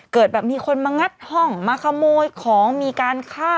เกิดแบบมีคนมางัดห้องมาขโมยของมีการฆ่า